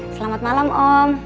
selamat malam om